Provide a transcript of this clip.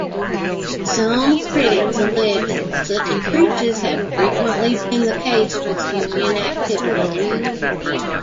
Some critics allege that such breaches have frequently been the case with union activity.